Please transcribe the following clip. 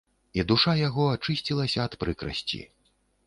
І душа яго ачысцілася ад прыкрасці.